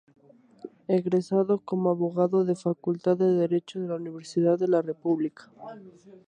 Egresado como abogado de Facultad de Derecho de la Universidad de la República.